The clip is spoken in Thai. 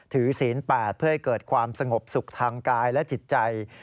ศีล๘เพื่อให้เกิดความสงบสุขทางกายและจิตใจ